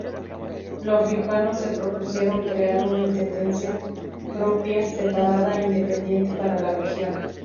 Los riojanos se propusieron crear una intendencia propia, separada e independiente para la región.